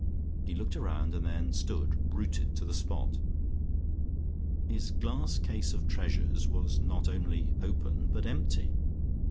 He looked round, and then stood rooted to the spot. His glass case of treasures was not only open but empty.